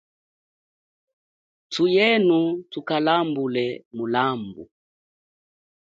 Thuyenu thukalambule mulambu.